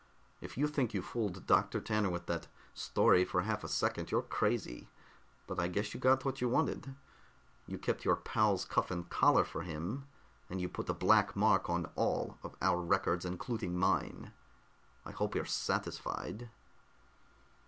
If you think you fooled Dr. Tanner with that story for half a second, you're crazy, but I guess you got what you wanted. You kept your pal's cuff and collar for him, and you put a black mark on all of our records, including mine. I hope you're satisfied."